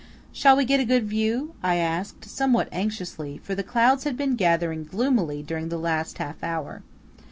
"Shall we get a good view?" I asked, somewhat anxiously; for the clouds had been gathering gloomily during the last half hour.